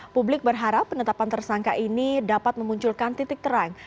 publik berharap penetapan tersangka ini dapat memunculkan titik terang